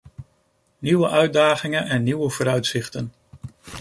Nieuwe uitdagingen en nieuwe vooruitzichten.